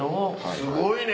すごいね！